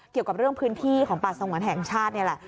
เกี่ยวกับเรื่องพื้นที่ของป่าสงวนแห่งชาตินี่แหละ